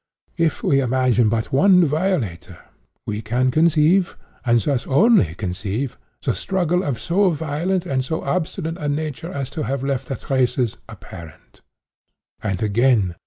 If we imagine but one violator, we can conceive, and thus only conceive, the struggle of so violent and so obstinate a nature as to have left the 'traces' apparent. "And again.